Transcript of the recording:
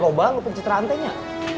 lo banget pencitraan tenya